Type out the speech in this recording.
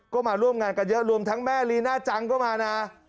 ก็มาร่วมงานกันเยอะรวมทั้งแม่ลีน่าจังก็มานะ